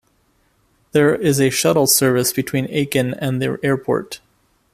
There is a shuttle-service between Aachen and the airport.